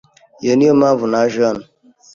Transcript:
Iyi niyo mpamvu naje hano.